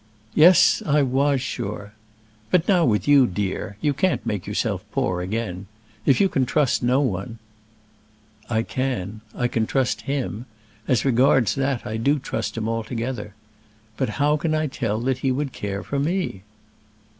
"Yes; I was sure. But now with you, dear, you can't make yourself poor again. If you can trust no one " "I can. I can trust him. As regards that I do trust him altogether. But how can I tell that he would care for me?"